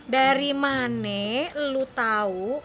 dari mana lu tau